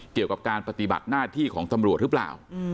เกี่ยวกับการปฏิบัติหน้าที่ของตำรวจหรือเปล่า